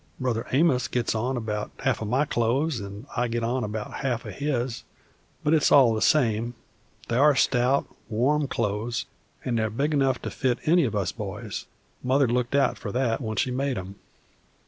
Brother Amos gets on 'bout half o' my clo'es, an' I get on 'bout half o' his, but it's all the same; they are stout, warm clo'es, and they're big enough to fit any of us boys, Mother looked out for that when she made 'em.